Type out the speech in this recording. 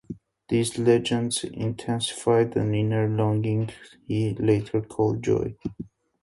These legends intensified an inner longing he later called "joy".